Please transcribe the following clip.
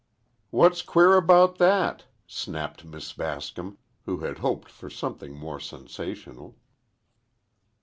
"What's queer about that?" snapped Miss Bascom, who had hoped for something more sensational.